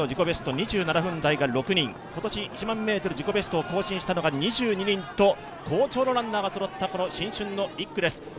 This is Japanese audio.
ベスト２７分台が６人、今年１００００ｍ自己ベストを更新したのが２２人と好調のランナーがそろった新春の１区です。